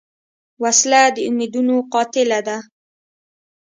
وسله د امیدونو قاتله ده